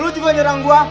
lo juga nyerang gue